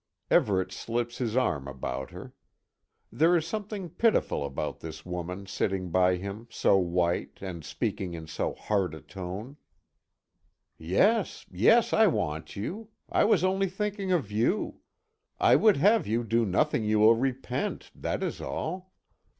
Everet slips his arm about her. There is something pitiful about this woman sitting by him so white, and speaking in so hard a tone. "Yes, yes, I want you. I was only thinking of you. I would have you do nothing you will repent, that is all.